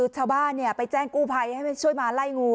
ชาวบ้านไปแจ้งกู้ภัยให้ช่วยมาไล่งู